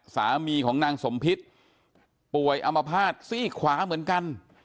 สามีของนางสมพิษป่วยอมภาษณ์ซี่ขวาเหมือนกัน